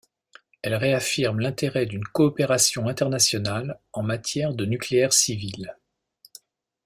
Elle réaffirme l'intérêt d'une coopération internationale en matière de nucléaire civil.